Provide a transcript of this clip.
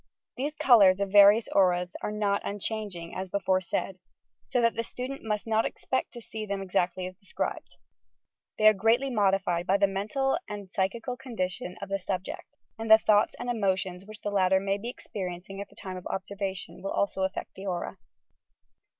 These colours of the various auras are not unchang ing, as before said, so that the student must not expect to see them exactly as described. They are greatly COLOUR AND ITS INTERPRETATION 99 modified by the mental and psychics! condition of the subject; and the thoughts and emotions which the latter may be experiencing at the time of observation will also uSect the aura.